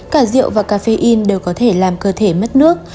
cả rượu và caffeine đều có thể làm cơ thể mất nước